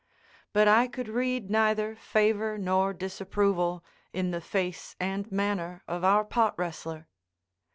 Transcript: But I could read neither favor nor disapproval in the face and manner of our pot wrestler.